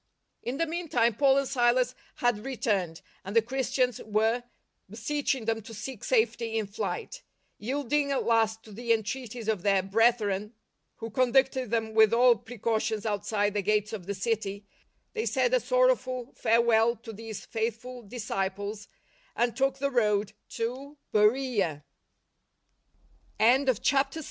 In the meantime Paul and Silas had re turned, and the Christians were beseeching them to seek safety in flight. Yielding at last to the entreaties of their bretliren, who con ducted them with all precautions outside the gates of the city, they said a sorrowful farewell to these faithful dis